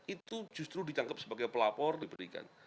itu justru ditangkap sebagai pelapor diberikan